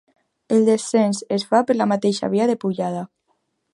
El descens es fa per la mateixa via de pujada.